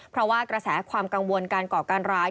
เพราะว่ากระแสความกังวลการก่อการร้าย